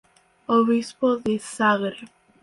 Obispo de Zagreb.